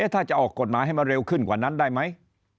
ถ้าจะออกกฎหมายให้มาเร็วขึ้นกว่านั้นได้ไหม